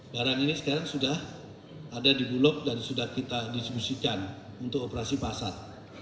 barang ini sekarang sudah ada di bulog dan sudah kita distribusikan untuk operasi pasar